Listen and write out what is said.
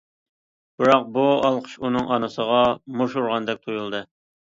بىراق بۇ ئالقىش ئۇنىڭ ئانىسىغا مۇش ئۇرغاندەك تۇيۇلدى.